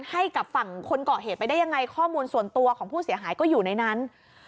ให้กับฝั่งคนเกาะเหตุไปได้ยังไงข้อมูลส่วนตัวของผู้เสียหายก็อยู่ในนั้น